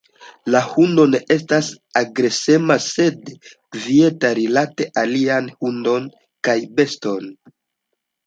La hundo ne estas agresema, sed kvieta rilate aliajn hundojn kaj bestojn.